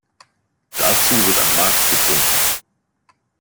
Dazu wird ein Marc getrunken.